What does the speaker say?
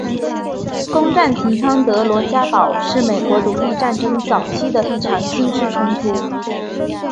攻占提康德罗加堡是美国独立战争早期的一场军事冲突。